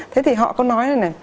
thế thì họ có nói này này